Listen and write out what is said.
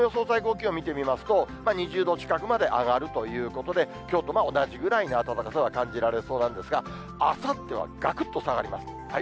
最高気温見てみますと、２０度近くまで上がるということで、きょうと同じぐらいに暖かさは感じられそうなんですが、あさってはがくっと下がります。